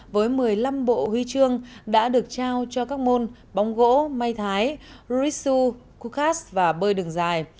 với một mươi năm bộ huy chương đã được trao cho các môn bóng gỗ mây thái ritsu kukas và bơi đường dài